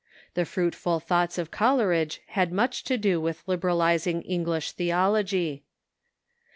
The fruitful thoughts of Coleridge had much to do with liberaliz ing English theology.